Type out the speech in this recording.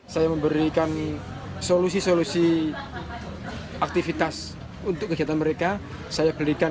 nyara isi tangan suhu